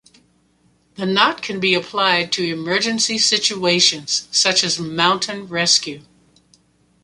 The knot can be applied to emergency situations, such as mountain rescue.